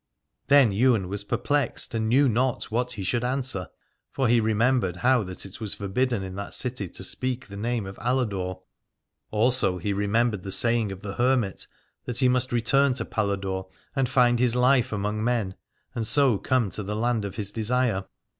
Then Ywain was perplexed and knew not what he should answer : for he remembered how that it was forbidden in that city to speak the name of Aladore. Also he remem 292 Aladore bered the saying of the hermit, that he must return to Paladore and find his life among men and so come to the land of his desire.